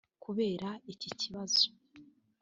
Kubera iki kibazo